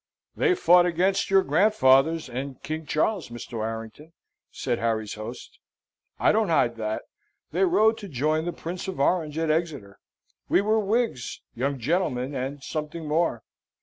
"They fought against your grandfathers and King Charles, Mr. Warrington," said Harry's host. "I don't hide that. They rode to join the Prince of Orange at Exeter. We were Whigs, young gentleman, and something more.